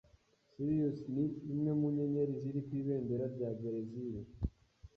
Sirius ni imwe mu nyenyeri ziri ku ibendera rya Berezile.